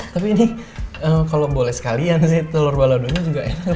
tapi ini kalau boleh sekalian sih telur baladonya juga enak